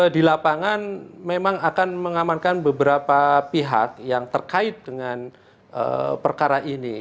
di lapangan memang akan mengamankan beberapa pihak yang terkait dengan perkara ini